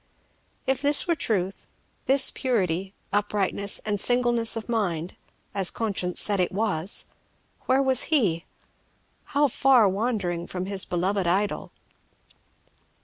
If this were truth, this purity, uprightness, and singleness of mind, as conscience said it was, where was he? how far wandering from his beloved Idol!